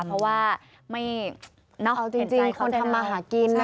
เพราะว่าไม่เห็นใจเขาจะได้เอาจริงควรทำมาหากินนะ